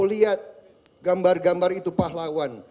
lihat gambar gambar itu pahlawan